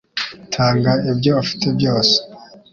Tanga ibyo ufite byose